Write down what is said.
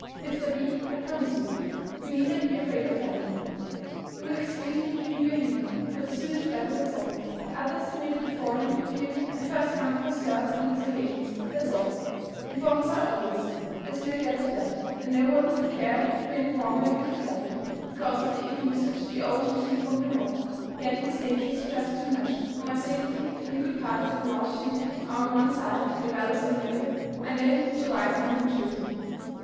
And if there be, I promise you, you need not be afraid of telling it me. You will excuse me giving you a hint; but the sooner the better, that's all. Others may be beforehand with you, and first come first served on these occasions, that's all. Informers are odious, there's no doubt of that, and no one would care to be an informer if he could help it, because of the ill usage they always receive from the mob: yet it is dangerous to trust too much; and when safety and a good part of the reward too are on one side and the gallows on the other I know which a wise man would chuse."